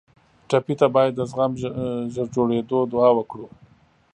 ټپي ته باید د زخم ژر جوړېدو دعا وکړو.